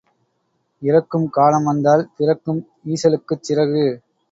இறக்கும் காலம் வந்தால் பிறக்கும் ஈசலுக்குச் சிறகு.